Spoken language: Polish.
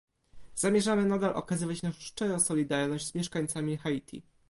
Zamierzamy nadal okazywać naszą szczerą solidarność z mieszkańcami Haiti